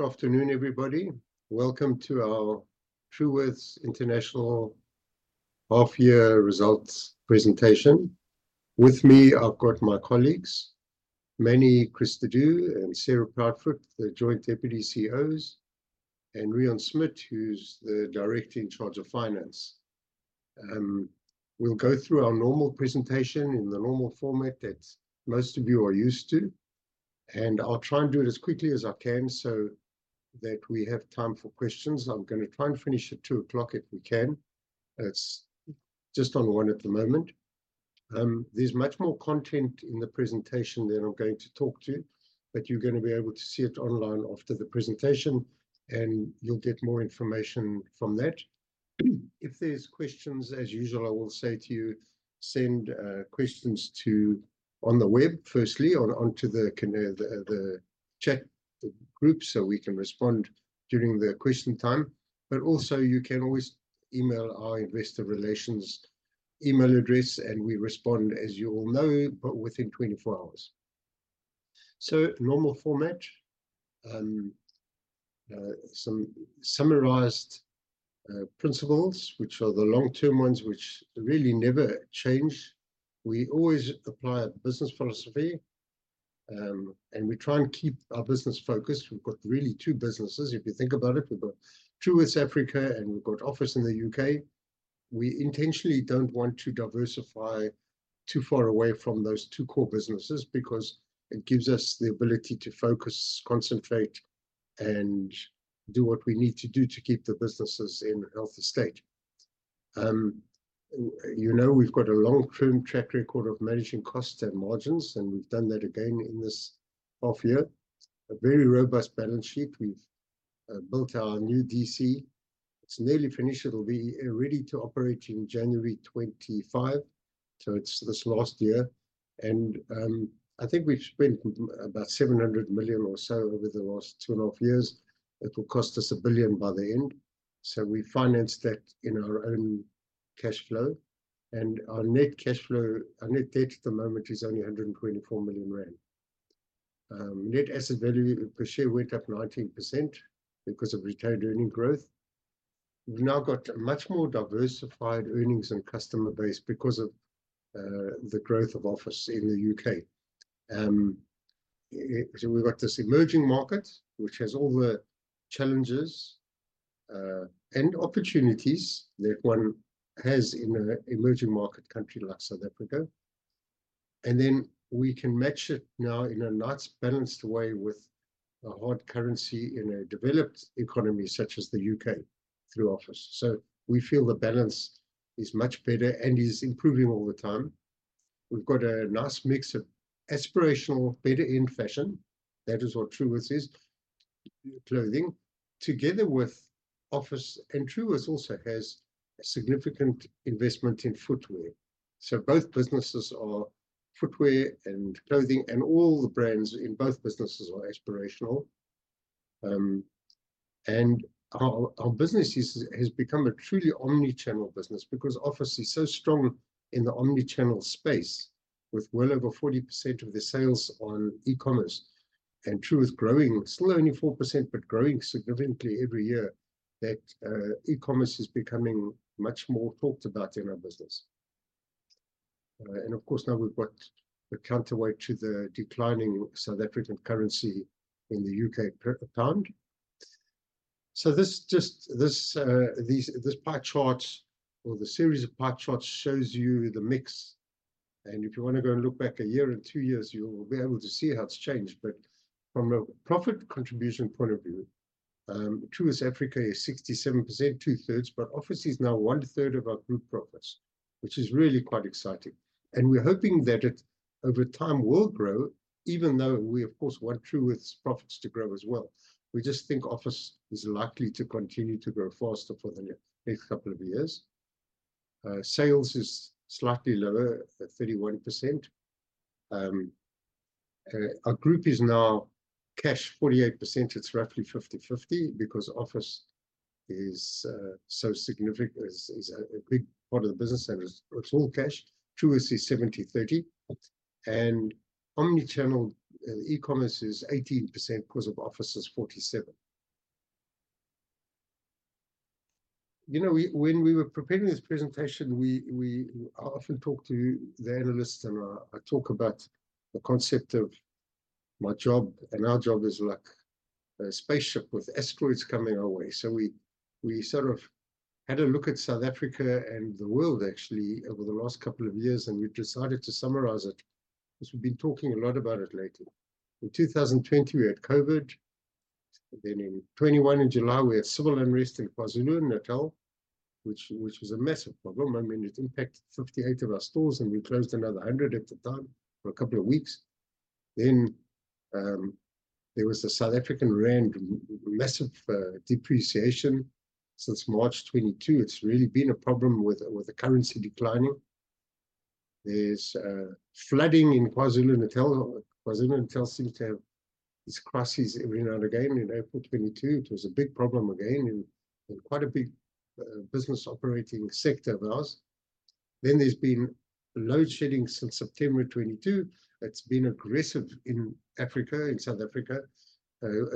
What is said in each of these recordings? Good afternoon, everybody. Welcome to our Truworths International half-year results presentation. With me, I've got my colleagues: Mannie Cristaudo and Sarah Proudfoot, the joint deputy CEOs, and Reon Smit, who's the director in charge of finance. We'll go through our normal presentation in the normal format that most of you are used to, and I'll try and do it as quickly as I can so that we have time for questions. I'm going to try and finish at 2:00 PM. if we can. It's just on 1:00PM at the moment. There's much more content in the presentation than I'm going to talk to, but you're going to be able to see it online after the presentation, and you'll get more information from that. If there's questions, as usual, I will say to you: send questions on the web, firstly, onto the chat group so we can respond during the question time, but also you can always email our investor relations email address, and we respond, as you all know, but within 24 hours. So, normal format. Some summarized principles, which are the long-term ones, which really never change. We always apply a business philosophy. And we try and keep our business focused. We've got really 2 businesses. If you think about it, we've got Truworths Africa, and we've got Office in the UK. We intentionally don't want to diversify too far away from those 2 core businesses because it gives us the ability to focus, concentrate, and do what we need to do to keep the businesses in healthy state. You know, we've got a long-term track record of managing costs and margins, and we've done that again in this half-year. A very robust balance sheet. We've built our new DC. It's nearly finished. It'll be ready to operate in January 2025. So it's this last year. And I think we've spent about 700 million or so over the last 2.5 years. It will cost us 1 billion by the end. So we finance that in our own cash flow. And our net cash flow, our net debt at the moment is only 124 million rand. Net asset value per share went up 19% because of retained earnings growth. We've now got much more diversified earnings and customer base because of the growth of Office in the UK. So we've got this emerging market, which has all the challenges and opportunities that one has in an emerging market country like South Africa. And then we can match it now in a nice balanced way with a hard currency in a developed economy such as the U.K. through Office. So we feel the balance is much better and is improving all the time. We've got a nice mix of aspirational better-end fashion. That is what Truworths is. Clothing together with Office, and Truworths also has a significant investment in footwear. So both businesses are footwear and clothing, and all the brands in both businesses are aspirational. And our business has become a truly omnichannel business because Office is so strong in the omnichannel space. With well over 40% of the sales on e-commerce. And Truworths growing, still only 4%, but growing significantly every year. That e-commerce is becoming much more talked about in our business. And of course, now we've got the counterweight to the declining South African currency in the UK pound. So this just this pie chart or the series of pie charts shows you the mix. And if you want to go and look back a year and two years, you'll be able to see how it's changed, but from a profit contribution point of view. Truworths Africa is 67%, two-thirds, but Office is now one-third of our group profits. Which is really quite exciting, and we're hoping that it over time will grow, even though we, of course, want Truworths profits to grow as well. We just think Office is likely to continue to grow faster for the next couple of years. Sales is slightly lower, 31%. Our group is now cash 48%. It's roughly 50/50 because Office is so significant, is a big part of the business, and it's all cash. Truworths is 70/30. And omnichannel e-commerce is 18% because of Office is 47%. You know, when we were preparing this presentation, we often talk to the analysts, and I talk about the concept of my job, and our job is like a spaceship with asteroids coming our way. So we sort of had a look at South Africa and the world, actually, over the last couple of years, and we decided to summarize it. Because we've been talking a lot about it lately. In 2020, we had COVID. Then in 2021 in July, we had civil unrest in KwaZulu-Natal. Which was a massive problem. I mean, it impacted 58 of our stores, and we closed another 100 at the time for a couple of weeks. Then there was the South African rand, massive depreciation. Since March 2022, it's really been a problem with the currency declining. There's flooding in KwaZulu-Natal. KwaZulu-Natal seems to have these crises every now and again. In April 2022, it was a big problem again in quite a big business operating sector of ours. Then there's been load shedding since September 2022. It's been aggressive in Africa, in South Africa.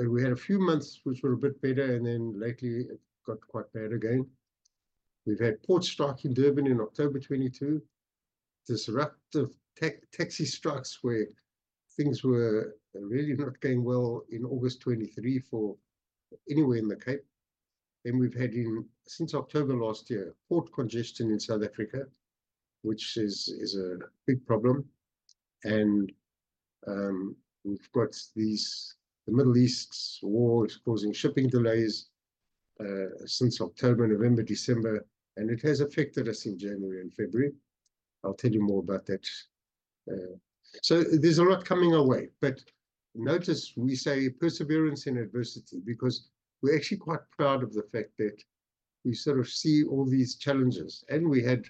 We had a few months which were a bit better, and then lately it got quite bad again. We've had port strike in Durban in October 2022. Disruptive taxi strikes where things were really not going well in August 2023 for anywhere in the Cape. Then we've had, since October last year, port congestion in South Africa. Which is a big problem. And we've got these. The Middle East's war is causing shipping delays. Since October, November, December, and it has affected us in January and February. I'll tell you more about that. So there's a lot coming our way, but notice we say perseverance in adversity because we're actually quite proud of the fact that we sort of see all these challenges, and we had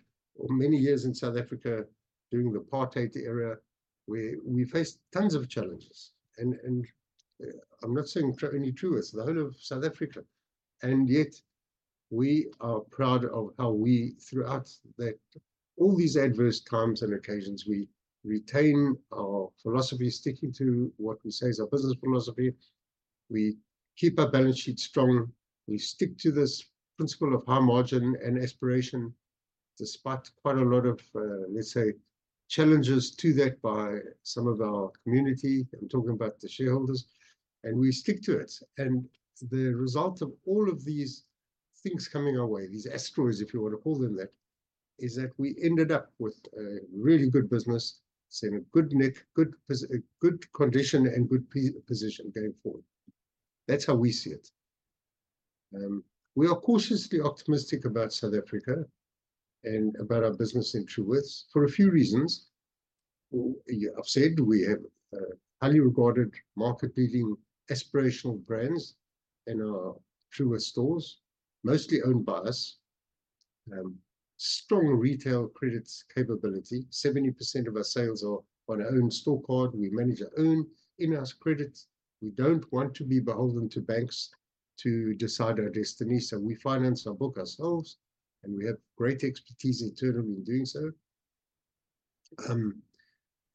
many years in South Africa during the apartheid era where we faced tons of challenges, and I'm not saying only Truworths, the whole of South Africa. And yet we are proud of how we, throughout all these adverse times and occasions, we retain our philosophy, sticking to what we say is our business philosophy. We keep our balance sheet strong. We stick to this principle of high margin and aspiration. Despite quite a lot of, let's say, challenges to that by some of our community. I'm talking about the shareholders. And we stick to it, and the result of all of these things coming our way, these asteroids, if you want to call them that. Is that we ended up with a really good business. In good nick, good condition, and good position going forward. That's how we see it. We are cautiously optimistic about South Africa. And about our business in Truworths for a few reasons. I've said we have highly regarded market-leading aspirational brands. In our Truworths stores, mostly owned by us. Strong retail credits capability. 70% of our sales are on our own store card. We manage our own in-house credits. We don't want to be beholden to banks. To decide our destiny, so we finance our book ourselves. And we have great expertise internally in doing so.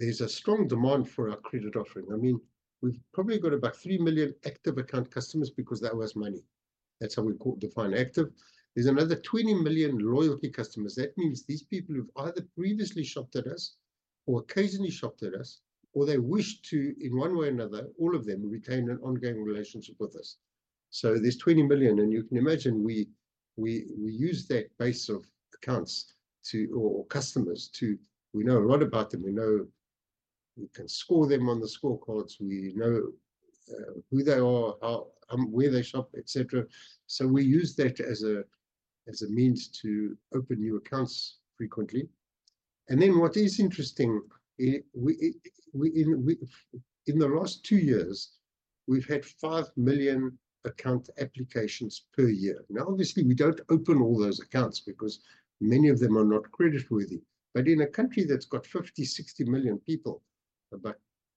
There's a strong demand for our credit offering. I mean, we've probably got about 3 million active account customers because that was money. That's how we define active. There's another 20 million loyalty customers. That means these people who've either previously shopped at us. Or occasionally shopped at us. Or they wish to, in one way or another, all of them retain an ongoing relationship with us. So there's 20 million, and you can imagine we use that base of accounts to or customers to we know a lot about them. We know. We can score them on the score cards. We know who they are, where they shop, etc. So we use that as a means to open new accounts frequently. And then what is interesting, in the last two years. We've had 5 million account applications per year. Now, obviously, we don't open all those accounts because many of them are not creditworthy, but in a country that's got 50-60 million people. About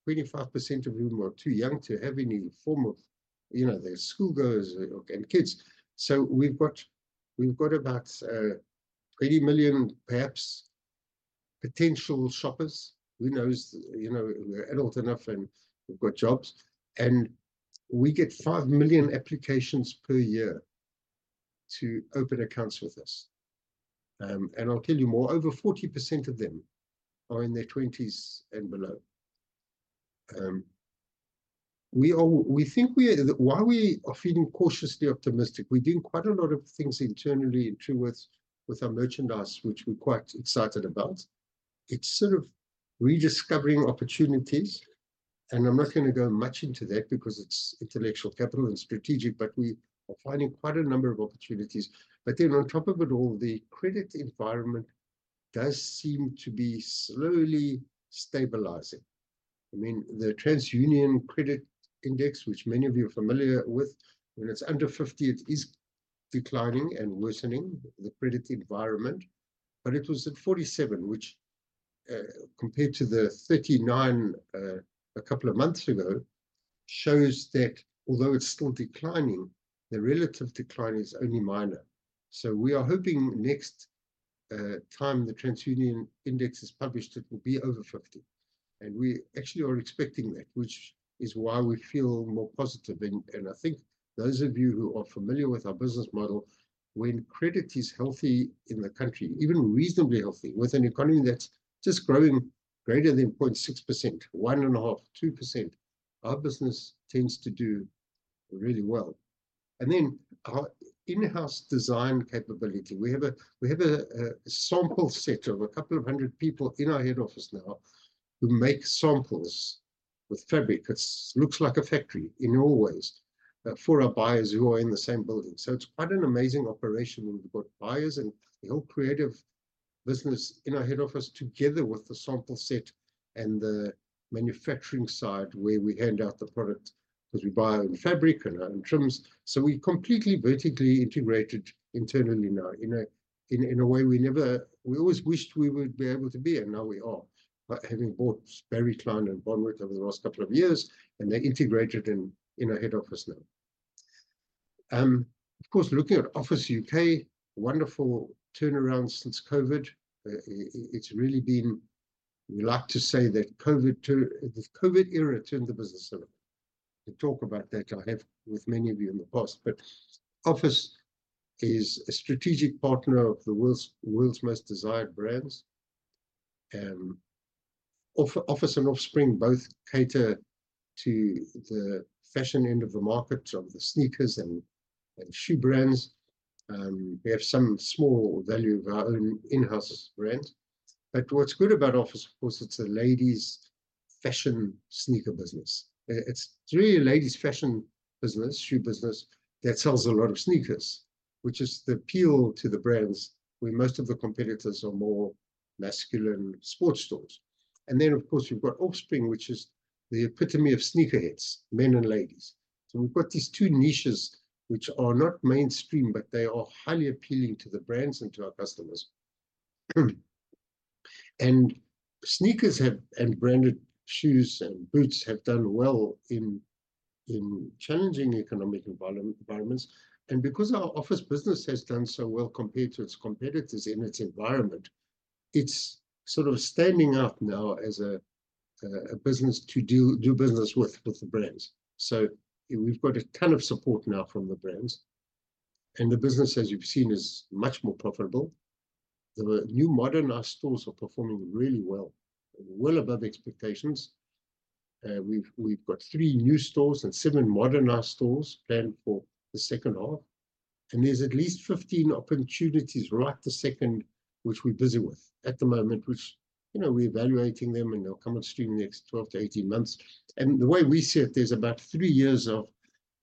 25% of whom are too young to have any form of, you know, their school goers and kids. So we've got about 80 million, perhaps, potential shoppers. Who knows, you know, we're adult enough, and we've got jobs, and we get 5 million applications per year to open accounts with us. And I'll tell you more, over 40% of them are in their twenties and below. We all think we are. Why we are feeling cautiously optimistic. We're doing quite a lot of things internally in Truworths with our merchandise, which we're quite excited about. It's sort of rediscovering opportunities. I'm not going to go much into that because it's intellectual capital and strategic, but we are finding quite a number of opportunities. But then, on top of it all, the credit environment does seem to be slowly stabilizing. I mean, the TransUnion Credit Index, which many of you are familiar with. When it's under 50, it is declining and worsening the credit environment. But it was at 47, which, compared to the 39 a couple of months ago, shows that, although it's still declining, the relative decline is only minor. So we are hoping next time the TransUnion Index is published, it will be over 50. And we actually are expecting that, which is why we feel more positive. And I think those of you who are familiar with our business model. When credit is healthy in the country, even reasonably healthy with an economy that's just growing greater than 0.6%, 1.5%, 2%. Our business tends to do really well. Then our in-house design capability. We have a sample set of a couple of 100 people in our head office now who make samples with fabric. It looks like a factory in all ways for our buyers who are in the same building. So it's quite an amazing operation. We've got buyers and the whole creative business in our head office together with the sample set and the manufacturing side where we hand out the product because we buy our own fabric and our own trims. So we completely vertically integrated internally now in a way we never. We always wished we would be able to be, and now we are. But having bought BBarrie Cline and Bonwit over the last couple of years, and they integrated in our head office now. Of course, looking at Office UK, wonderful turnaround since COVID. It's really been. We like to say that COVID, the COVID era turned the business around. To talk about that, I have with many of you in the past, but Office is a strategic partner of the world's most desired brands. Office and Offspring both cater to the fashion end of the market of the sneakers and shoe brands. We have some small value of our own in-house brands. But what's good about Office, of course, it's a ladies' fashion sneaker business. It's really a ladies' fashion business, shoe business that sells a lot of sneakers. Which is the appeal to the brands where most of the competitors are more masculine sports stores. And then, of course, we've got Offspring, which is the epitome of sneakerheads, men and ladies. So we've got these 2 niches, which are not mainstream, but they are highly appealing to the brands and to our customers. And sneakers have and branded shoes and boots have done well in challenging economic environments. And because our Office business has done so well compared to its competitors in its environment. It's sort of standing up now as a business to do business with the brands. So we've got a ton of support now from the brands. And the business, as you've seen, is much more profitable. The new modernized stores are performing really well. Well above expectations. We've got 3 new stores and 7 modernized stores planned for the second half. There's at least 15 opportunities right this second, which we're busy with at the moment, which, you know, we're evaluating them, and they'll come on stream next 12-18 months. And the way we see it, there's about three years of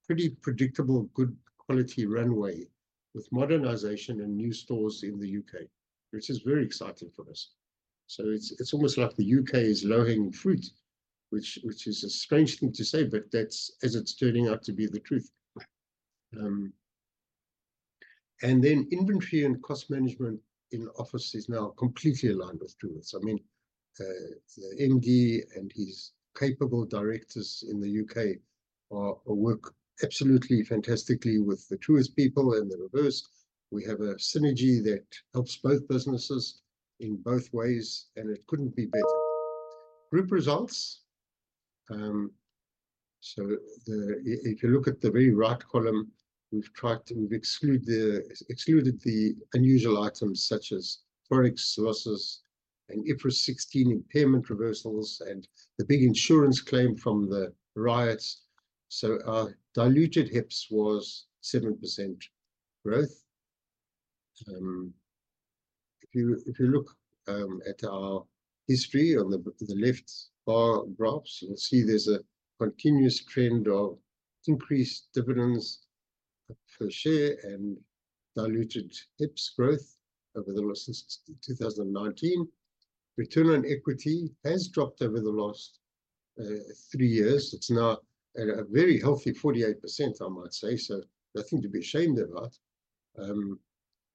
pretty predictable, good quality runway with modernization and new stores in the U.K., which is very exciting for us. So it's almost like the U.K. is low-hanging fruit. Which is a strange thing to say, but that's as it's turning out to be the truth. And then inventory and cost management in Office is now completely aligned with Truworths. I mean, the MD and his capable directors in the U.K. are working absolutely fantastically with the Truworths people and the reverse. We have a synergy that helps both businesses in both ways, and it couldn't be better. Group results. So if you look at the very right column, we've tried to exclude the unusual items, such as forex losses, IFRS 16 impairment reversals, and the big insurance claim from the riots. So our diluted HEPS was 7% growth. If you look at our history on the left bar graphs, you'll see there's a continuous trend of increased dividends per share and diluted HEPS growth over the last 2019. Return on equity has dropped over the last three years. It's now at a very healthy 48%, I might say, so nothing to be ashamed about.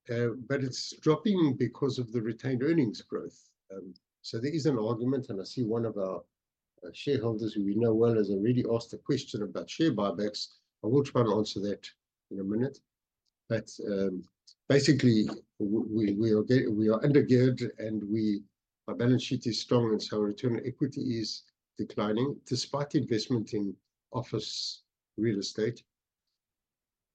But it's dropping because of the retained earnings growth. So there is an argument, and I see one of our shareholders who we know well has already asked a question about share buybacks. I will try and answer that in a minute. But basically, we are undergeared, and our balance sheet is strong, and so return on equity is declining, despite investment in Office real estate.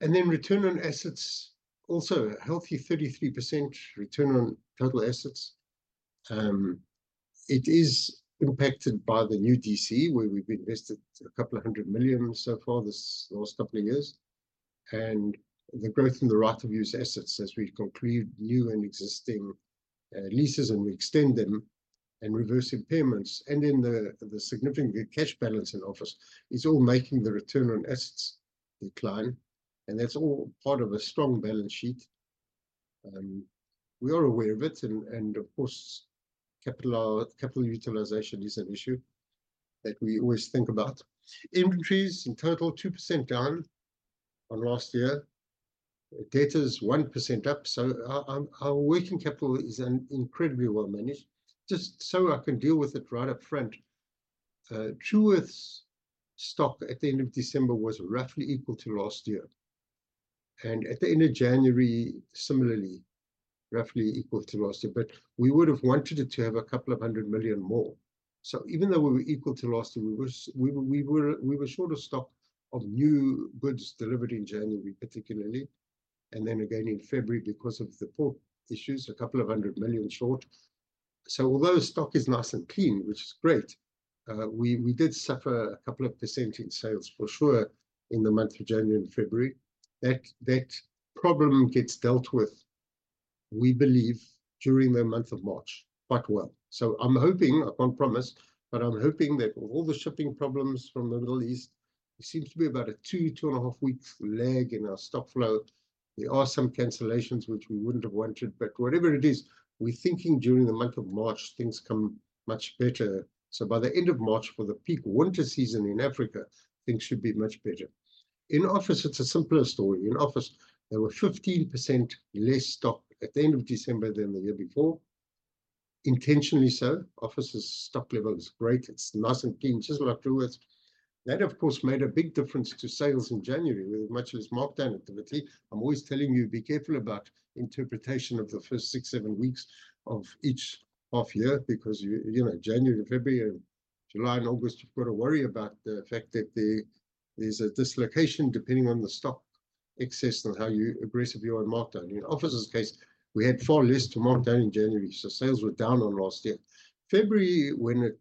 And then return on assets. Also a healthy 33% return on total assets. It is impacted by the new DC, where we've invested a couple of 100 million so far this last couple of years. And the growth in the right-of-use assets, as we conclude new and existing leases, and we extend them. And reverse impairments, and then the significant cash balance in Office is all making the return on assets decline. And that's all part of a strong balance sheet. We are aware of it, and of course, capital utilization is an issue that we always think about. Inventories in total 2% down on last year. Debtors 1% up, so our working capital is incredibly well managed, just so I can deal with it right up front. Truworths stock at the end of December was roughly equal to last year. At the end of January, similarly, roughly equal to last year, but we would have wanted it to have a couple of 100 million more. So even though we were equal to last year, we were short of stock of new goods delivered in January, particularly. And then again in February, because of the port issues, a couple of 100 million short. So although stock is nice and clean, which is great. We did suffer a couple of % in sales for sure in the month of January and February. That problem gets dealt with, we believe, during the month of March quite well. So I'm hoping, I can't promise, but I'm hoping that with all the shipping problems from the Middle East, it seems to be about a 2-2.5-week lag in our stock flow. There are some cancellations which we wouldn't have wanted, but whatever it is, we're thinking during the month of March things come much better. So by the end of March for the peak winter season in Africa, things should be much better. In Office, it's a simpler story. In Office, there were 15% less stock at the end of December than the year before. Intentionally, so Office's stock level is great. It's nice and clean, just like Truworths. That, of course, made a big difference to sales in January with much less markdown activity. I'm always telling you, be careful about interpretation of the first 6, 7 weeks of each half year, because you know, January, February, July, and August, you've got to worry about the fact that there's a dislocation depending on the stock excess and how aggressive you are in markdown. In Office's case, we had far less to markdown in January, so sales were down on last year. February, when it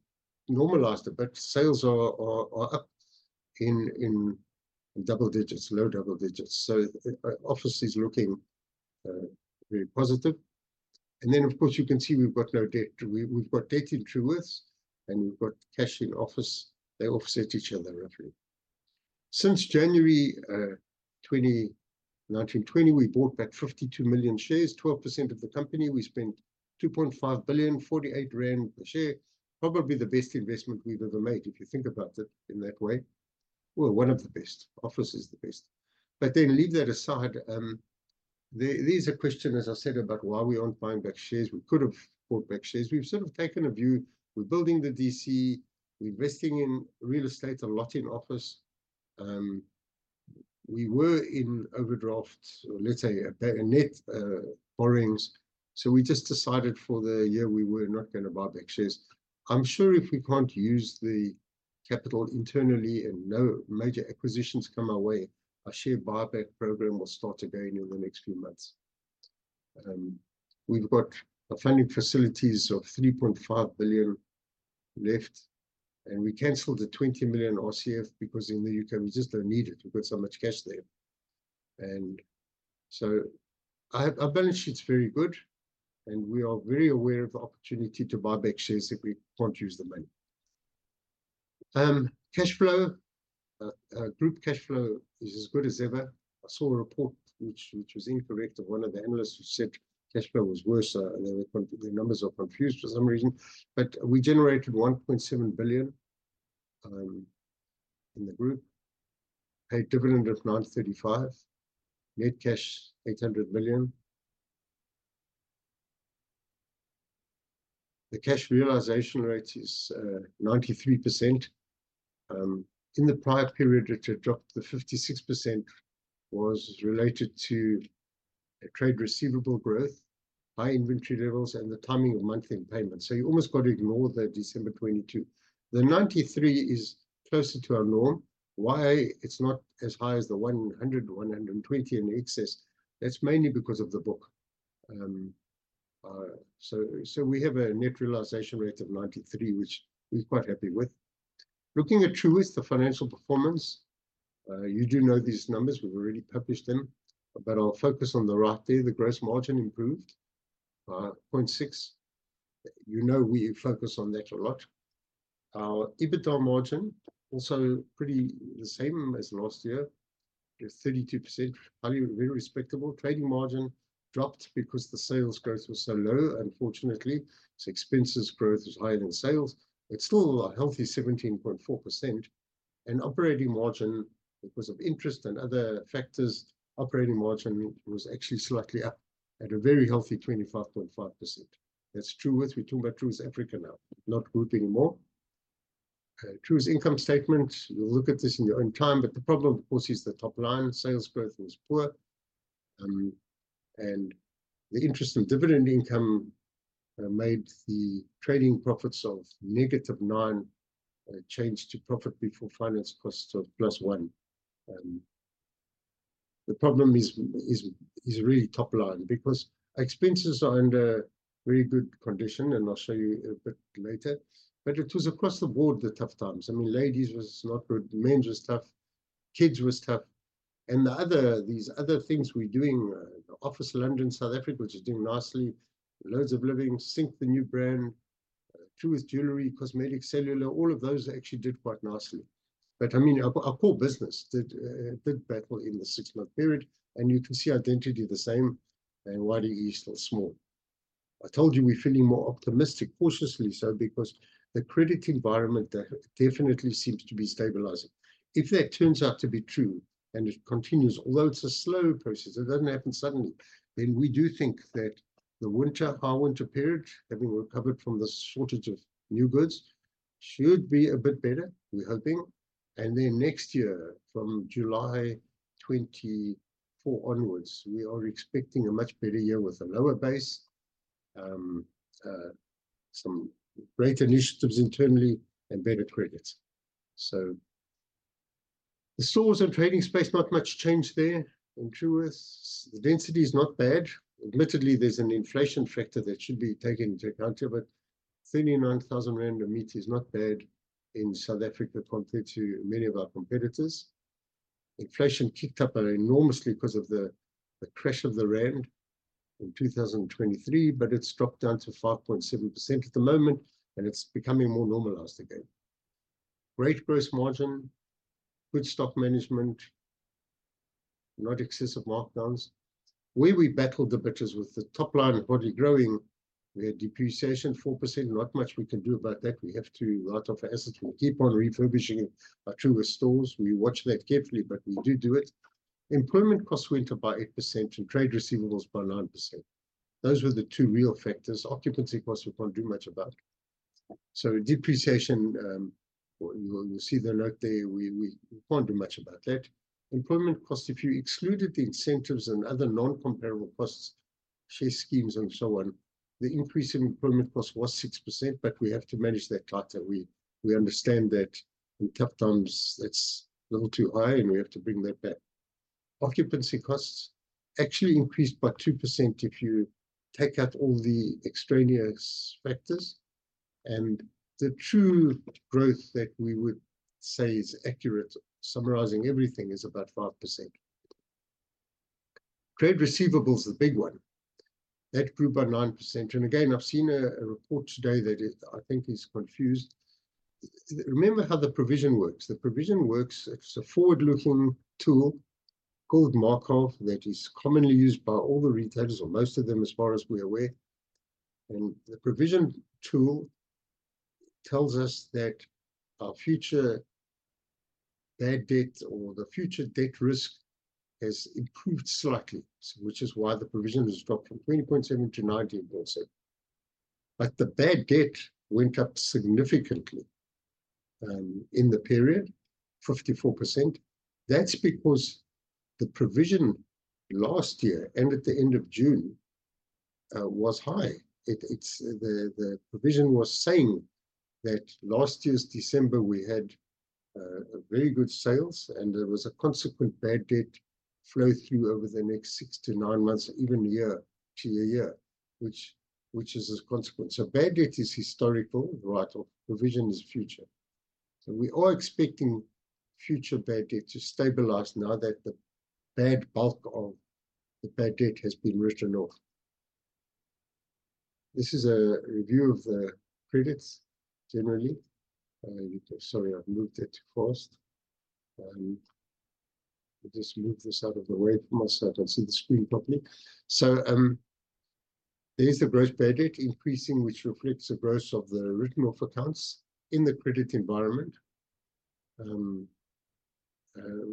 normalized a bit, sales are up in double digits, low double digits. So Office is looking very positive. And then, of course, you can see we've got no debt. We've got debt in Truworths. And we've got cash in Office. They offset each other roughly. Since January 2020, we bought back 52 million shares, 12% of the company. We spent 2.5 billion, 48 rand per share. Probably the best investment we've ever made, if you think about it in that way. Well, one of the best. Office is the best. But then leave that aside. There's a question, as I said, about why we aren't buying back shares. We could have bought back shares. We've sort of taken a view. We're building the DC. We're investing in real estate a lot in Office. We were in overdraft, or let's say a net borrowings. So we just decided for the year we were not going to buy back shares. I'm sure if we can't use the capital internally and no major acquisitions come our way, our share buyback program will start again in the next few months. We've got a funding facilities of 3.5 billion left. And we cancelled the 20 million RCF because in the UK we just don't need it. We've got so much cash there. Our balance sheet's very good. We are very aware of the opportunity to buy back shares if we can't use the money. Cash flow. Group cash flow is as good as ever. I saw a report which was incorrect of one of the analysts who said cash flow was worse, and their numbers are confused for some reason, but we generated 1.7 billion in the group. Paid dividend of 935 million. Net cash 800 million. The cash realization rate is 93%. In the prior period, it had dropped. The 56% was related to trade receivable growth, high inventory levels, and the timing of monthly payments. You almost got to ignore the December 2022. The 93% is closer to our norm. Why it's not as high as the 100%, 120% in excess. That's mainly because of the book. So we have a net realization rate of 93, which we're quite happy with. Looking at Truworths' financial performance. You do know these numbers. We've already published them, but I'll focus on the right there. The gross margin improved 0.6. You know we focus on that a lot. Our EBITDA margin also pretty the same as last year. 32% value, very respectable trading margin. Dropped because the sales growth was so low, unfortunately, so expenses growth is higher than sales. It's still a healthy 17.4%. And operating margin, because of interest and other factors, operating margin was actually slightly up at a very healthy 25.5%. That's Truworths. We're talking about Truworths Africa now, not group anymore. Truworths income statement. You'll look at this in your own time, but the problem, of course, is the top line. Sales growth was poor. The interest and dividend income made the trading profits of -9 change to profit before finance costs of 1+. The problem is really top line because expenses are under very good condition, and I'll show you a bit later. But it was across the board the tough times. I mean, ladies was not good. Men was tough. Kids was tough. And the other, these other things we're doing, Office London South Africa, which is doing nicely. Loads of Living Sync the new brand. Truworths Jewelry, cosmetic, cellular, all of those actually did quite nicely. But I mean, our core business did battle in the six-month period, and you can see Identity the same. And YDE is small. I told you we're feeling more optimistic, cautiously so, because the credit environment definitely seems to be stabilizing. If that turns out to be true, and it continues, although it's a slow process, it doesn't happen suddenly, then we do think that the winter, hard winter period, having recovered from the shortage of new goods, should be a bit better, we're hoping. And then next year, from July 2024 onwards, we are expecting a much better year with a lower base. Some great initiatives internally and better credits. So the stores and trading space, not much change there in Truworths. The density is not bad. Admittedly, there's an inflation factor that should be taken into account here, but 39,000 rand a meter is not bad in South Africa compared to many of our competitors. Inflation kicked up enormously because of the crash of the rand in 2023, but it's dropped down to 5.7% at the moment, and it's becoming more normalized again. Great gross margin. Good stock management. Not excessive markdowns. Where we battled the bidders with the top line and body growing. We had depreciation 4%. Not much we can do about that. We have to write off our assets. We keep on refurbishing our Truworths stores. We watch that carefully, but we do do it. Employment costs went up by 8% and trade receivables by 9%. Those were the two real factors. Occupancy costs we can't do much about. So depreciation. You'll see the note there. We can't do much about that. Employment costs, if you excluded the incentives and other non-comparable costs. Share schemes and so on. The increase in employment costs was 6%, but we have to manage that tighter. We understand that in tough times it's a little too high, and we have to bring that back. Occupancy costs. Actually increased by 2% if you take out all the extraneous factors. The true growth that we would say is accurate, summarizing everything, is about 5%. Trade receivables is the big one. That grew by 9%. And again, I've seen a report today that I think is confused. Remember how the provision works. The provision works. It's a forward-looking tool called Markov that is commonly used by all the retailers, or most of them, as far as we're aware. And the provision tool tells us that our future bad debt, or the future debt risk, has improved slightly, which is why the provision has dropped from 20.7% to 19.7%. But the bad debt went up significantly in the period 54%. That's because the provision last year and at the end of June was high. The provision was saying that last year's December we had very good sales, and there was a consequent bad debt. Flow through over the next six-nine months, even a year to a year. Which is a consequence. So bad debt is historical, right? Provision is future. So we are expecting future bad debt to stabilize now that the bad bulk of the bad debt has been written off. This is a review of the credits generally. Sorry, I've moved that too fast. Just move this out of the way for me so I can see the screen properly. So there's the gross bad debt increasing, which reflects the growth of the written off accounts in the credit environment.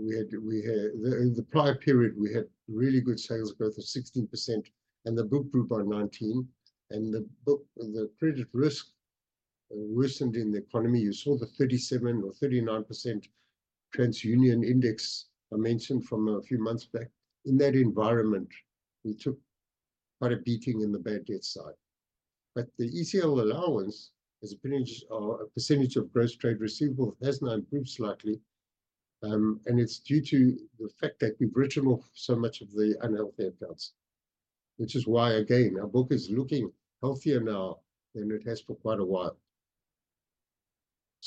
We had the prior period. We had really good sales growth of 16%, and the book grew by 19%. And the book, the credit risk worsened in the economy. You saw the 37% or 39% TransUnion index I mentioned from a few months back in that environment. We took. Quite a beating in the bad debt side. But the ECL allowance as a percentage of gross trade receivables has now improved slightly. And it's due to the fact that we've written off so much of the unhealthy accounts. Which is why, again, our book is looking healthier now than it has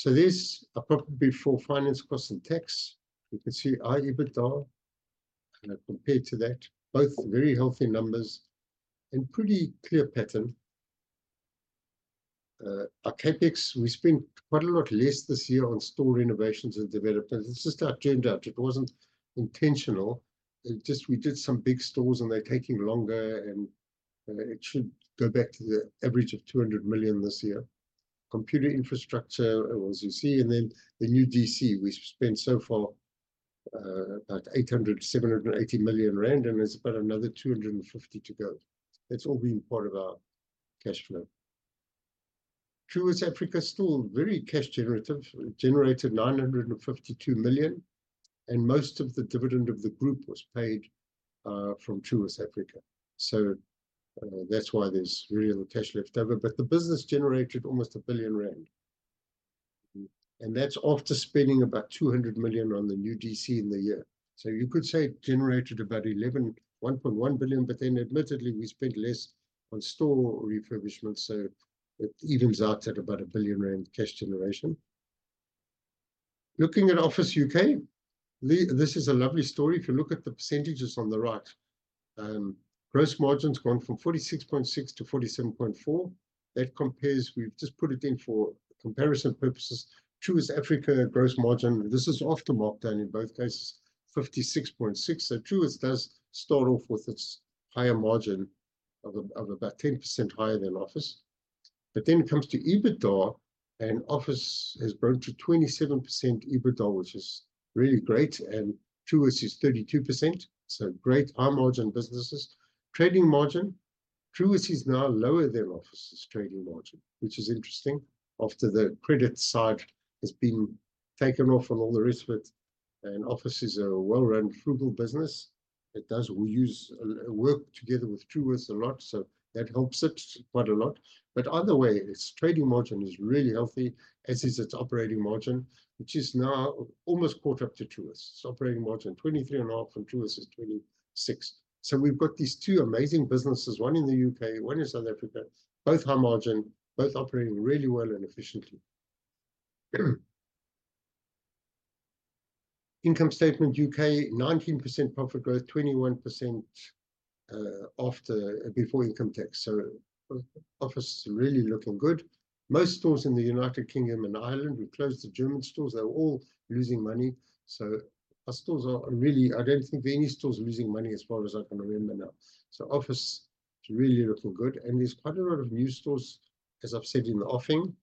for quite a while. So there's a profit before finance costs and tax. You can see our EBITDA. Compared to that, both very healthy numbers. And pretty clear pattern. Our CapEx. We spent quite a lot less this year on store renovations and development. It's just how it turned out. It wasn't intentional. It just we did some big stores, and they're taking longer, and it should go back to the average of 200 million this year. Computer infrastructure, as you see, and then the new DC we spent so far. 800 million, 780 million, and there's about another 250 million to go. That's all been part of our cash flow. Truworths Africa still very cash generative, generated 952 million. And most of the dividend of the group was paid from Truworths Africa. So that's why there's very little cash left over, but the business generated almost 1 billion rand. And that's after spending about 200 million on the new DC in the year. So you could say it generated about 1.1 billion, but then, admittedly, we spent less on store refurbishment, so it evens out at about 1 billion rand cash generation. Looking at Office UK. This is a lovely story. If you look at the percentages on the right. Gross margin's gone from 46.6% to 47.4%. That compares. We've just put it in for comparison purposes. Truworths Africa gross margin. This is after markdown in both cases. 56.6%. So Truworths does start off with its higher margin of about 10% higher than Office. But then it comes to EBITDA. And Office has grown to 27% EBITDA, which is really great, and Truworths is 32%. So great high margin businesses. Trading margin. Truworths is now lower than Office's trading margin, which is interesting. After the credit side has been taken off on all the rest of it. And Office is a well-run, frugal business. It does. We work together with Truworths a lot, so that helps it quite a lot. But either way, its trading margin is really healthy, as is its operating margin, which is now almost caught up to Truworths. Its operating margin 23.5 from Truworths is 26. So we've got these 2 amazing businesses, one in the U.K., one in South Africa. Both high margin, both operating really well and efficiently. Income statement UK, 19% profit growth, 21%. After before income tax. So Office is really looking good. Most stores in the United Kingdom and Ireland. We closed the German stores. They're all losing money. So our stores are really. I don't think there are any stores losing money as far as I can remember now. So Office is really looking good, and there's quite a lot of new stores. As I've said in the offering.